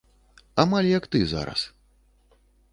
Амаль як ты зараз.